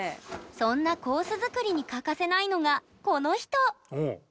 そんなコース作りに欠かせないのがこの人！